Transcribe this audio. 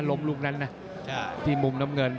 ลูกนั้นนะที่มุมน้ำเงิน